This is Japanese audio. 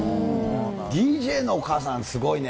ＤＪのお母さん、すごいね。